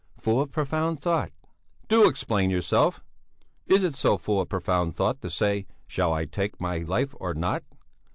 "Full of profound thought." "Do explain yourself! Is it so full of profound thought to say: Shall I take my life or not?